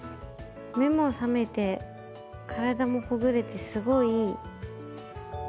目も覚めて体もほぐれてすごいいい。